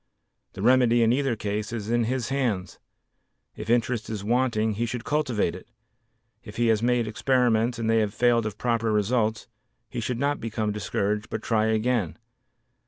The remedy in either case is in his hands. If interest is wanting he should cultivate it; if he has made experiments and they have failed of proper results, he should not become discouraged but try again.